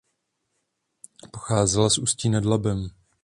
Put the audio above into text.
Pocházela z Ústí nad Labem.